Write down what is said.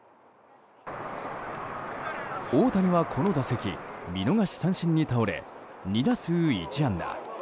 大谷はこの打席見逃し三振に倒れ２打数１安打。